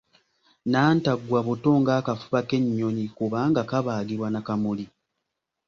Nnantaggwa buto ng’akafuba k’ennyonyi kubanga kabaagibwa na kamuli.